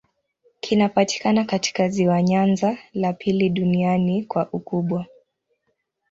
Kinapatikana katika ziwa Nyanza, la pili duniani kwa ukubwa.